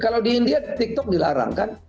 kalau di india tiktok dilarang kan